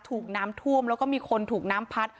ถูกน้ำท่วมแล้วก็มีคนถูกน้ำพัด